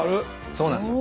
そうなんですよ。